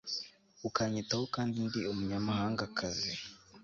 ukanyitaho kandi ndi umunyamahangakazi